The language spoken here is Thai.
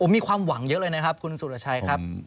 มีความหวังเยอะเลยนะครับคุณสุรชัยครับ